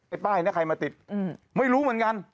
ไอ้ป้ายเนี่ยใครมาติดอืมไม่รู้เหมือนกัน